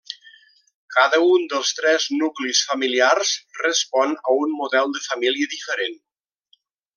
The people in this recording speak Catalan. Cada un dels tres nuclis familiars respon a un model de família diferent.